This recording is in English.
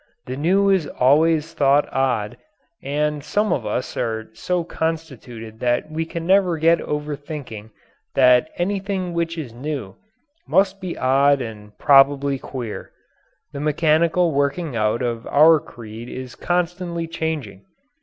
The new is always thought odd, and some of us are so constituted that we can never get over thinking that anything which is new must be odd and probably queer. The mechanical working out of our creed is constantly changing.